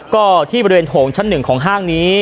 ก็ที่บริเวณโถงชั้น๑ของห้างนี้